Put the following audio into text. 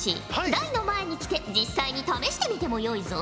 台の前に来て実際に試してみてもよいぞ。